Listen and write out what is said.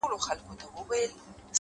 هره پوښتنه د کشف نوی سفر دی؛